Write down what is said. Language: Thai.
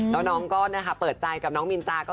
แล้วน้องก็ค่ะเปิดใจกับน้องมิลจาก็คือ